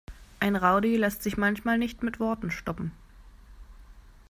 Ein Rowdy lässt sich manchmal nicht mit Worten stoppen.